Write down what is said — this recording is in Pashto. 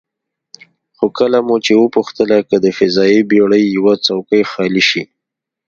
خو کله مو چې وپوښتله که د فضايي بېړۍ یوه څوکۍ خالي شي،